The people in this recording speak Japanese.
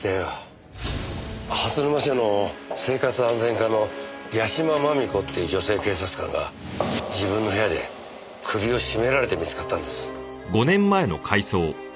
蓮沼署の生活安全課の屋島真美子っていう女性警察官が自分の部屋で首を絞められて見つかったんです。